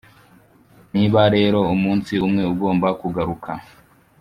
niba rero umunsi umwe ugomba kugaruka